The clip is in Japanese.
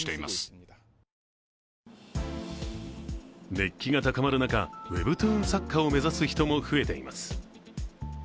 熱気が高まる中、ウェブトゥーン作家を目指す人も増えています。